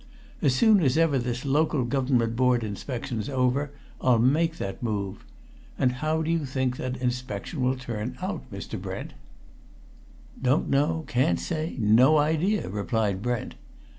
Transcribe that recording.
As soon as ever this Local Government Board inspection's over, I'll make that move. And how do you think that inspection'll turn out, Mr. Brent?" "Don't know, can't say, no idea," replied Brent.